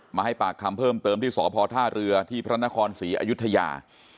มาให้ปากคำเพิ่มเติมที่สพท่าเรือที่พระนครศรีอยุธยา